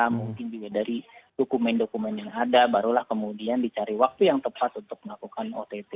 mungkin juga dari dokumen dokumen yang ada barulah kemudian dicari waktu yang tepat untuk melakukan ott